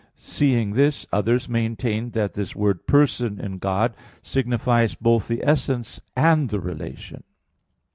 Seeing this, others maintained that this word "person" in God signifies both the essence and the relation.